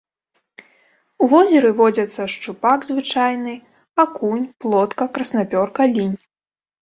У возеры водзяцца шчупак звычайны, акунь, плотка, краснапёрка, лінь.